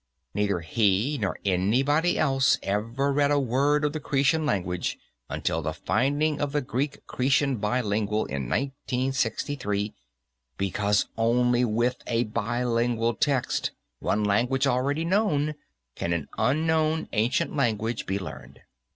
Neither he nor anybody else ever read a word of the Cretan language until the finding of the Greek Cretan bilingual in 1963, because only with a bilingual text, one language already known, can an unknown ancient language be learned.